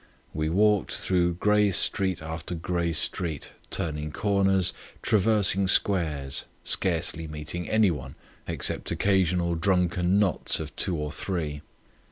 We walked through grey street after grey street, turning corners, traversing squares, scarcely meeting anyone, except occasional drunken knots of two or three.